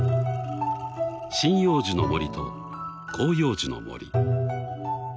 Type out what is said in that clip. ［針葉樹の森と広葉樹の森］